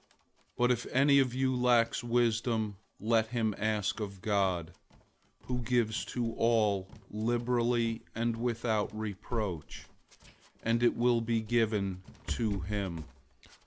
001:005 But if any of you lacks wisdom, let him ask of God, who gives to all liberally and without reproach; and it will be given to him.